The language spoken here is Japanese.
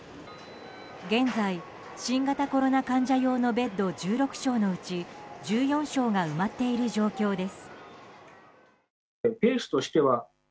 現在、新型コロナ患者用のベッド１６床のうち１４床が埋まっている状況です。